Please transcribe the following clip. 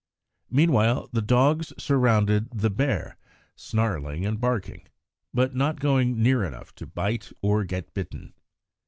Meanwhile the dogs surrounded the bear, snarling and barking, but not going near enough to bite or get bitten.